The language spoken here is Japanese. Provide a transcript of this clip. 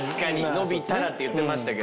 「伸びたら」って言ってましたけどね。